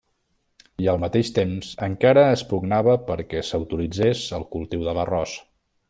I al mateix temps, encara es pugnava perquè s'autoritzés el cultiu de l'arròs.